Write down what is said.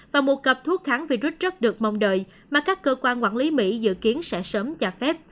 và một cặp thuốc kháng virus rất được mong đợi mà các cơ quan quản lý mỹ dự kiến sẽ sớm cho phép